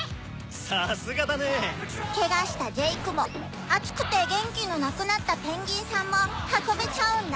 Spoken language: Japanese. さすがだね。ケガしたジェイクも暑くて元気のなくなったペンギンさんも運べちゃうんだ